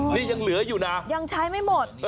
นี่ยังเหลืออยู่นะยังใช้ไม่หมด